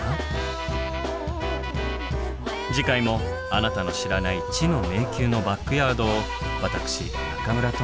次回もあなたの知らない知の迷宮のバックヤードを私中村倫也がご案内いたします。